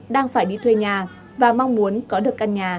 đang phải đi thuê nhà và mong muốn có được căn nhà